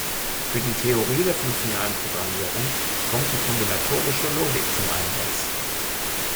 Für die Theorie der funktionalen Programmierung kommt die kombinatorische Logik zum Einsatz.